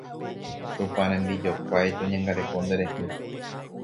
Tupãrembijokuái toñangareko nderehe